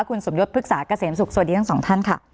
คุณสมยศพฤกษาเกษมสุขสวัสดีทั้งสองท่านค่ะ